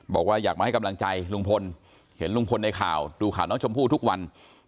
บอกว่าอยากมาให้กำลังใจลุงพลเห็นลุงพลในข่าวดูข่าวน้องชมพู่ทุกวัน